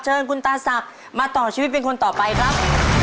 เชิญคุณตาศักดิ์มาต่อชีวิตเป็นคนต่อไปครับ